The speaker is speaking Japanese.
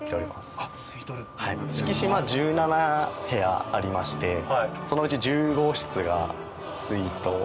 四季島１７部屋ありましてそのうち１５室がスイート。